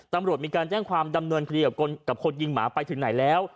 ตำรวจมีการแจ้งความดำเนินคดีกับคนยิงหมาไปถึงไหนแล้ว